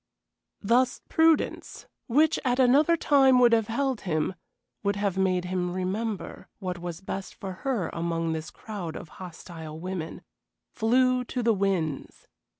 Thus prudence, which at another time would have held him would have made him remember what was best for her among this crowd of hostile women flew to the winds.